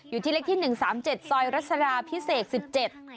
อยู่ที่เลขที่๑๓๗ซอยรัศนาพิเศษ๑๗